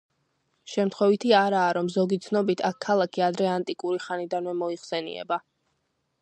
შემთხვევითი არაა, რომ ზოგი ცნობით აქ ქალაქი ადრე ანტიკური ხანიდანვე მოიხსენიება.